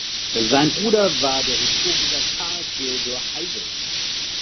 Sein Bruder war der Historiker Karl Theodor Heigel.